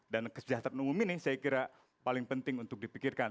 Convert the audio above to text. dan kesejahteraan umum ini saya kira paling penting untuk dipikirkan